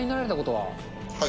はい。